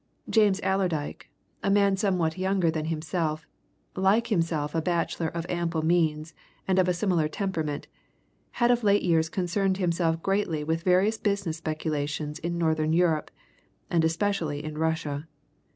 James Allerdyke, a man somewhat younger than himself, like himself a bachelor of ample means and of a similar temperament, had of late years concerned himself greatly with various business speculations in Northern Europe, and especially in Russia.